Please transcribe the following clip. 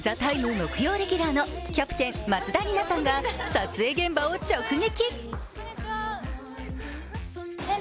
木曜レギュラーのキャプテン・松田里奈さんが撮影現場を直撃。